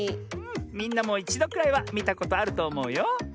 みんなもいちどくらいはみたことあるとおもうよ。